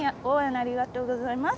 ありがとうございます。